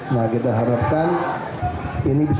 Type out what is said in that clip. nah kita harapkan ini bisa